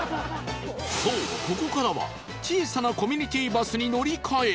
そうここからは小さなコミュニティバスに乗り換え